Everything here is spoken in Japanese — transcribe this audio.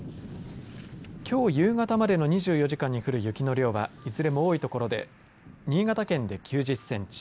きょう夕方までの２４時間に降る雪の量はいずれも多い所で新潟県で９０センチ